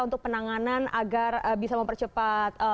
untuk penanganan agar bisa mempercepat